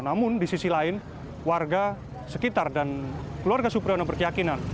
namun di sisi lain warga sekitar dan keluarga supriyono berkeyakinan